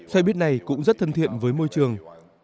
xe buýt này cũng rất thân thiện với môi trường